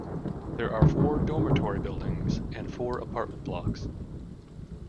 There are four dormitory buildings and four apartment blocks.